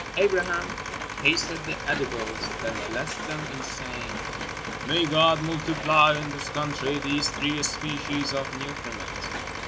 Abraham tasted the edibles, then blessed them in saying: "May God multiply in this country these three species of nutriment."